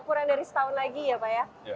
kurang dari setahun lagi ya pak ya